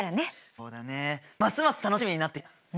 そうだねますます楽しみになってきたね！